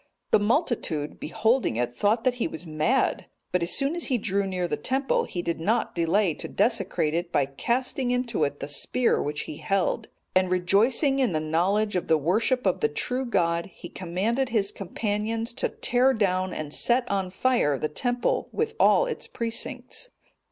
The multitude, beholding it, thought that he was mad; but as soon as he drew near the temple he did not delay to desecrate it by casting into it the spear which he held; and rejoicing in the knowledge of the worship of the true God, he commanded his companions to tear down and set on fire the temple, with all its precincts.